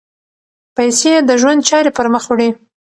پیسې د ژوند چارې پر مخ وړي.